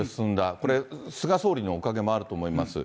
これ、菅総理のおかげもあると思います。